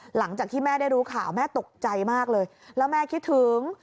หลังจากที่แม่ได้รู้ข่าวแม่ตกใจมากเลยแล้วแม่คิดถึง